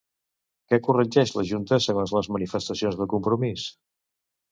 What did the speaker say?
Què corregeix la junta segons les manifestacions de Compromís?